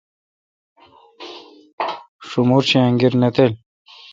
شمور شی انگیر نہ تل۔